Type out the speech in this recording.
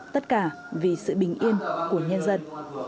tất cả vì sự bình yên của nhân dân